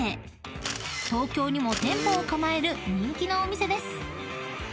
［東京にも店舗を構える人気のお店です］